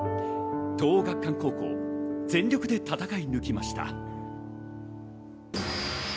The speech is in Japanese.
東桜学館、高校全力で戦い抜きました。